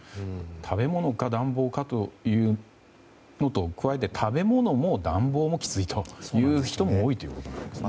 食べ物か暖房かというのに加えて食べ物も暖房もきついという人も多いということですね。